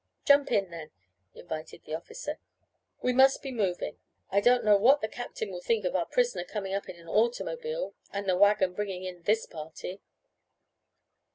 "Jump in then," invited the officer. "We must be moving. I don't know what the captain will think of our prisoner coming up in an automobile, and the wagon bringing in this party."